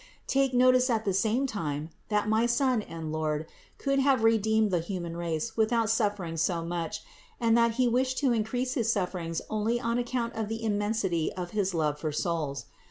Take notice at the same time, that my Son and Lord could have redeemed the human race without suf 600 CITY OF GOD fering so much and that He wished to increase his suf ferings only on account of the immensity of his love for souls.